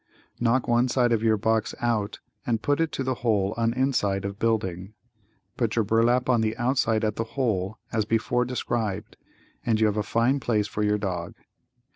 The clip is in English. Knock one side of your box out and put it to the hole on inside of building. Put your burlap on the outside at the hole as before described, and you have a fine place for your dog.